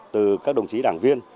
từ các đồng chí đảng viên